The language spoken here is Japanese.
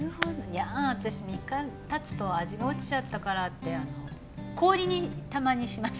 やん私３日たつと味が落ちちゃったからって氷にたまにします。